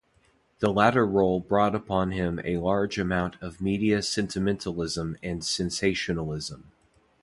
The latter role brought upon him a large amount of media sentimentalism and sensationalism.